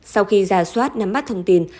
sau khi giả soát nắm bắt thông tin